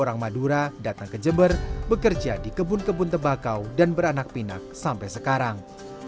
orang madura datang ke jember bekerja di kebun kebun tebakau dan beranak pinak sampai sekarang